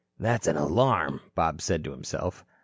"That's an alarm," Bob said to himself.